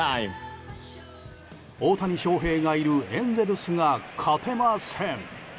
大谷翔平がいるエンゼルスが勝てません。